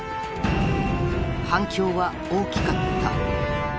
反響は大きかった